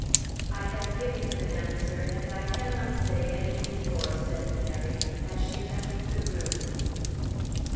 "I have given him an answer and I cannot say anything more," said Mary as she left the room.